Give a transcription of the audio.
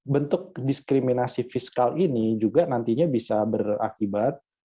bentuk diskriminasi fiskal ini juga nantinya bisa berakibat